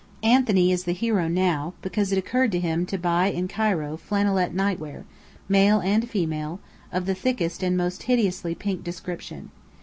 Anthony is the hero now, because it occurred to him to buy in Cairo flannelette nightwear, male and female, of the thickest and most hideously pink description.